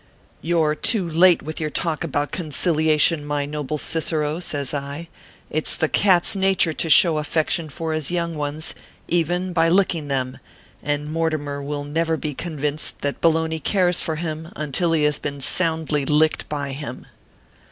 " You re too late with your talk about conciliation, my noble Cicero/ says I. " It s the cat s nature to show affection for his young ones, even, by licking them, and Mortimer will never be convinced that Bo logna cares for him until he has been soundly licked by him."